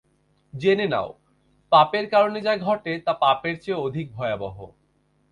জেনে নাও, পাপের কারণে যা ঘটে তা পাপের চেয়েও অধিক ভয়াবহ।